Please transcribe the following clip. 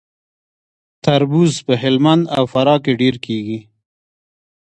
تربوز په هلمند او فراه کې ډیر کیږي.